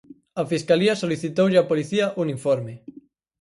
A fiscalía solicitoulle á policía un informe.